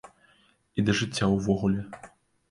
І да жыцця ўвогуле.